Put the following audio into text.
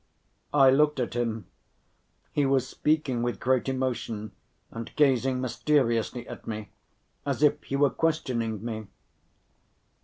I looked at him; he was speaking with great emotion and gazing mysteriously at me, as if he were questioning me.